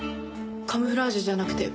カムフラージュじゃなくて別の。